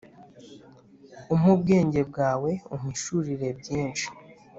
Umpe ubwenge bwawe umpishurire byinshi